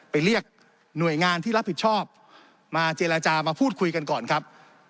เรียกหน่วยงานที่รับผิดชอบมาเจรจามาพูดคุยกันก่อนครับ